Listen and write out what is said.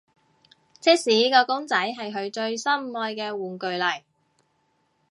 即使個公仔係佢最心愛嘅玩具嚟